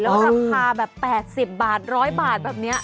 แล้วราคาแบบ๘๐บาท๑๐๐บาทแบบนี้